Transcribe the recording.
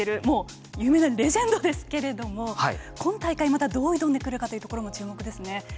もう有名なレジェンドですけれども今大会またどう挑んでくるかというところも注目ですね。